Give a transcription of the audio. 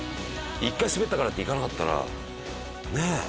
一回スベったからって行かなかったらねっ。